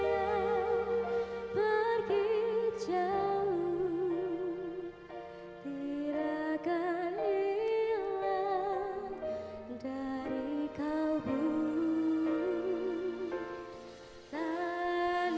yang dipengaruhi oleh negara dan negara asal